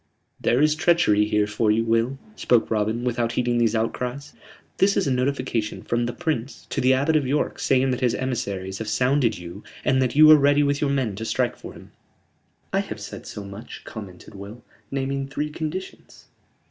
"There is treachery here for you, Will," spoke Robin, without heeding these outcries. "This is a notification from the Prince to the Abbot of York saying that his emissaries have sounded you and that you are ready with your men to strike for him." "I have said so much," commented Will, "naming three conditions."